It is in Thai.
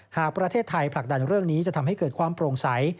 หากประเทศไทยผลักดันเรื่องนี้จะทำให้เกิดความโปร่งใส